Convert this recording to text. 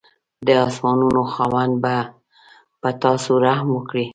د اسمانانو خاوند به په تاسو رحم وکړي.